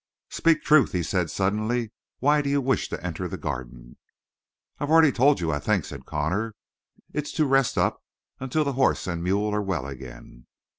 "Speak truth," he said suddenly. "Why do you wish to enter the Garden?" "I've already told you, I think," said Connor. "It's to rest up until the horse and mule are well again."